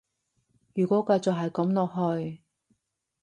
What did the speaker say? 如果繼續係噉落去